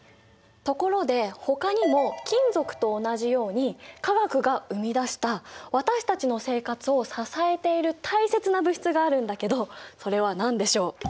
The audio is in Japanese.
ところでほかにも金属と同じように化学が生み出した私たちの生活を支えている大切な物質があるんだけどそれは何でしょう？